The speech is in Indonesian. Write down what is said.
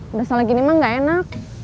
udah salah gini emang gak enak